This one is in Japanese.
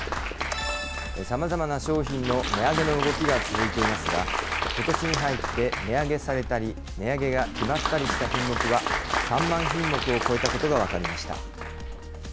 さまざまな商品の値上げの動きが続いていますが、ことしに入って値上げされたり、値上げが決まったりした品目は３万品目を超えたことが分かりました。